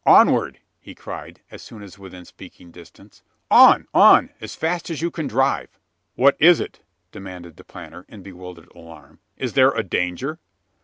"Onward!" he cried, as soon as within speaking distance. "On on! as fast as you can drive!" "What is it?" demanded the planter, in bewildered alarm. "Is there a danger?"